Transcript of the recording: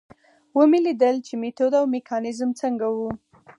ومې لیدل چې میتود او میکانیزم څنګه و.